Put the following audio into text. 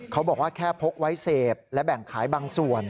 เขาบอกว่าแค่พกไว้เสพและแบ่งขายบางส่วน